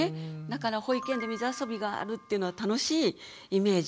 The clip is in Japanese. だから保育園で水遊びがあるっていうのは楽しいイメージ。